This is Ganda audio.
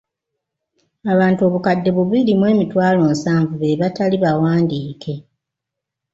Abantu obukadde bubiri mu emitwalo nsanvu be batali bawandiike.